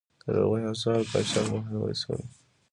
د لرغونو آثارو قاچاق مخنیوی شوی؟